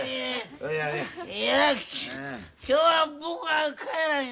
いや今日は僕は帰らんよ。